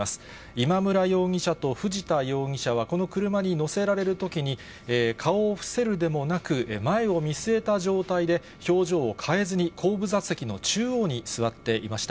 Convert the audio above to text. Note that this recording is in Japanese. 今村容疑者と藤田容疑者はこの車に乗せられるときに、顔を伏せるでもなく、前を見据えた状態で、表情を変えずに後部座席の中央に座っていました。